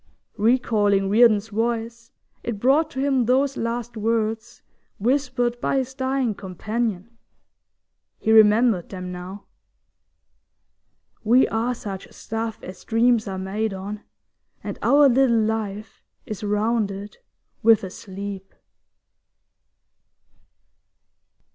Recalling Reardon's voice, it brought to him those last words whispered by his dying companion. He remembered them now: We are such stuff As dreams are made on, and our little life Is rounded with a sleep.